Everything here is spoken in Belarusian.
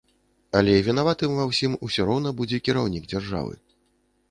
Але і вінаватым ва ўсім усё роўна будзе кіраўнік дзяржавы.